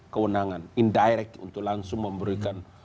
kewenangan indirect untuk langsung memberikan